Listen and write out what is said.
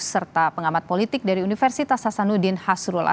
serta pengamat politik dari universitas sasanudin hasrulalat